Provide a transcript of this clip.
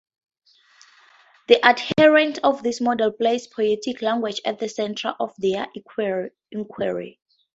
The adherents of this model placed poetic language at the centre of their inquiry.